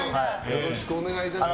よろしくお願いします。